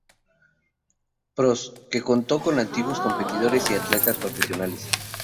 Pros", que contó con antiguos competidores y atletas profesionales.